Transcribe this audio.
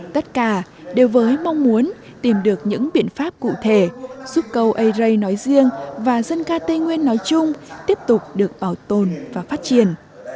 tất cả đều với mong muốn tìm được những biện pháp cụ thể giúp cầu ây rây nói riêng và dân ca tây nguyên nói chung tiếp tục được bảo tồn và phát triển